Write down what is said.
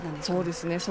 そうですね。